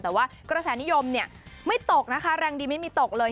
แต่ว่ากระแสนิยมไม่ตกนะคะแรงดีไม่มีตกเลย